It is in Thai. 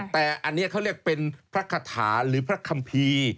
แต่อันนี้เขาเรียกเป็นพระคาถาหรือพระคัมภีร์